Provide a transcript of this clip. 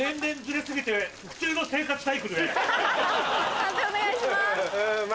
判定お願いします。